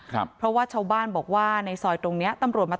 ครับเพราะว่าชาวบ้านบอกว่าในซอยตรงเนี้ยตำรวจมา